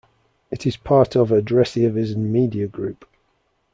It is part of Adresseavisen Media Group.